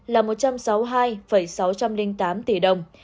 là một trăm sáu mươi hai sáu trăm linh tám tỷ đồng